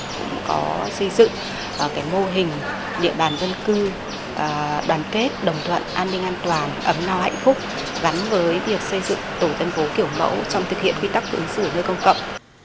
cũng có xây dựng mô hình địa bàn dân cư đoàn kết đồng thuận an ninh an toàn ấm nao hạnh phúc gắn với việc xây dựng tổ dân phố kiểu mẫu trong thực hiện quy tắc ứng xử nơi công cộng